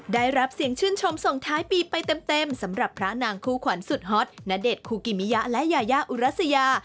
ได้รับเสียงชื่นชมส่งท้ายปีไปเต็มสำหรับพระนางคู่ขวัญสุดฮอตณเดชนคูกิมิยะและยายาอุรัสยา